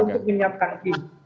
untuk menyiapkan tim